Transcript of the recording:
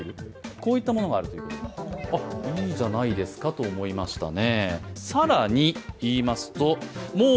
こういったものがあるということで、いいじゃないですかと思いましたね。